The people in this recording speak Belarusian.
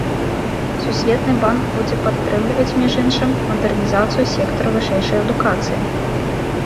Сусветны банк будзе падтрымліваць, між іншым, мадэрнізацыю сектара вышэйшай адукацыі.